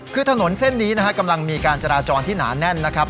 คือถนนเส้นนี้นะฮะกำลังมีการจราจรที่หนาแน่นนะครับ